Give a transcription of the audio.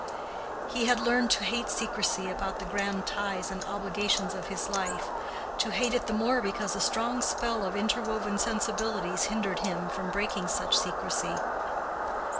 He had learned to hate secrecy about the grand ties and obligations of his life—to hate it the more because a strong spell of interwoven sensibilities hindered him from breaking such secrecy.